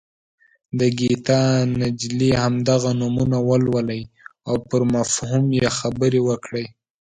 د ګیتا نجلي همدغه نمونه ولولئ او پر مفهوم یې خبرې وکړئ.